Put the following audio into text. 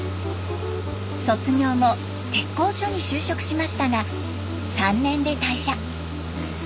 卒業後鉄工所に就職しましたが３年で退社。